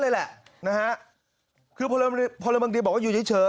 เลยแหละนะฮะคือพระเรมรฟะพอเรมรฟะเบิ่งดิบอกด้วยอยู่เฉยเฉย